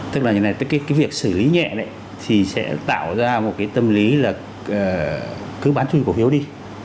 tức là cái việc xử lý nhẹ này thì sẽ tạo ra một cái tâm lý là cứ bán chui cổ phiếu đi